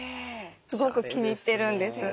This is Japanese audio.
すごく気に入ってるんです。